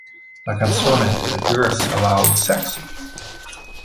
La canzone delle Girls Aloud "Sexy!